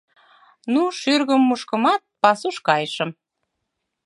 Ну, шӱргым мушкымат, пасуш кайышым.